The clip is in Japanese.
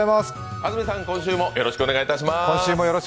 安住さん、今週もよろしくお願いします。